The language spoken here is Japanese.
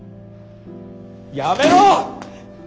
やめろ！